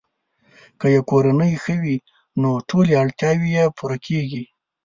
که یې کورنۍ ښه وي، نو ټولې اړتیاوې یې پوره کیږي.